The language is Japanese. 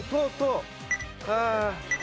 ああ。